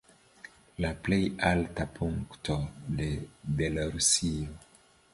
La plej alta punkto de Belorusio.